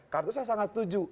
kartusnya sangat setuju